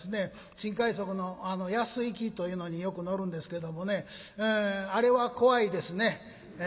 新快速の野洲行きというのによく乗るんですけどもねあれは怖いですね。